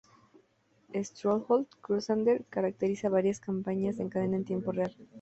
Stronghold: Crusader caracteriza varias campañas en cadena en tiempo real.